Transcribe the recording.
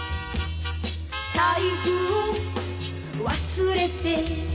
「財布を忘れて」